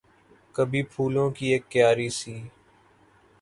کبھی پھولوں کی اک کیاری سی